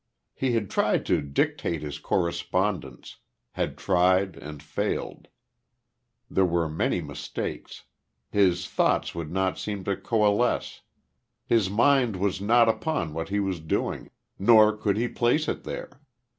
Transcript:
He had tried to dictate his correspondence; had tried, and failed. There were many mistakes. His thoughts would not seem to coalesce. His mind was not upon what he was doing, nor could he place it there.